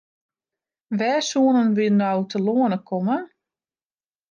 Wêr soenen we no telâne komme?